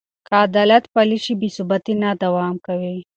که عدالت پلی شي، بې ثباتي نه دوام کوي.